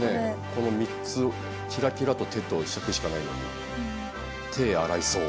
この３つキラキラと手と柄杓しかないのに手洗いそう。